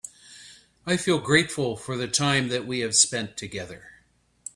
I feel grateful for the time that we have spend together.